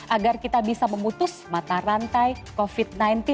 agar kita bisa memutus mata rantai covid sembilan belas